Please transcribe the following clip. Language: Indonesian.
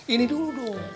ini dulu dong